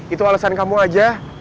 itu alasan kamu aja